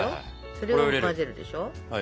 それを混ぜるでしょ。